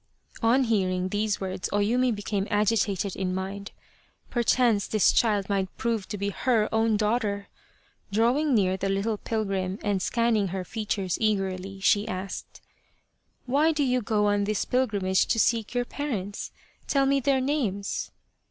On hearing these words O Yumi became agitated in mind. Perchance this child might prove to be her own daughter ! Drawing near the little pilgrim and scanning her features eagerly, she asked :" Why do you go on this pilgrimage to seek your parents ? Tell me their names